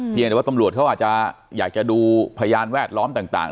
ยังแต่ว่าตำรวจเขาอาจจะอยากจะดูพยานแวดล้อมต่าง